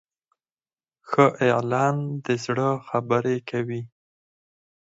ښه اعلان د زړه خبرې کوي.